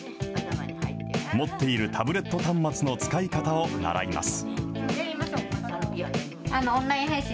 持っているタブレット端末の使い方を習います。